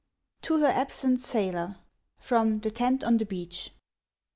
TO HER ABSENT SAILOR. FROM "THE TENT ON THE BEACH."